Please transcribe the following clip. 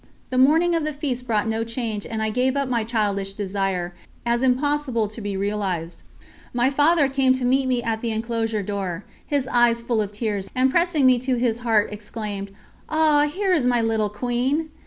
The morning of the feast brought no change and I gave up my childish desire, as impossible to be realised. My Father came to meet me at the enclosure door, his eyes full of tears, and pressing me to his heart exclaimed: "Ah! Here is my little Queen!"